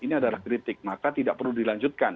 ini adalah kritik maka tidak perlu dilanjutkan